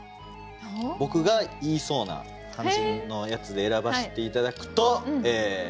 僕が言いそうな感じのやつで選ばして頂くと。